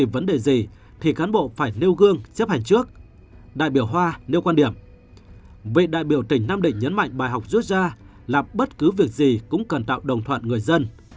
về đại biểu tỉnh nam định nhấn mạnh bài học rút ra là bất cứ việc gì cũng cần tạo đồng thuận người dân